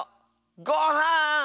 ごはん！